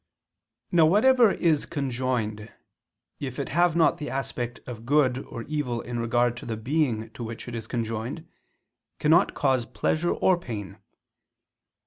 Now whatever is conjoined, if it have not the aspect of good or evil in regard to the being to which it is conjoined, cannot cause pleasure or pain.